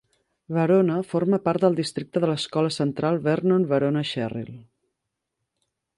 Verona forma part del districte de l'Escola Central Vernon-Verona-Sherrill.